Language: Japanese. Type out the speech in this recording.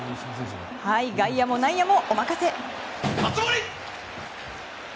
外野も内野もお任せ。